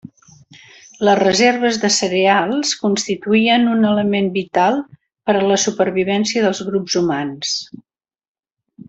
Les reserves de cereals constituïen un element vital per a la supervivència dels grups humans.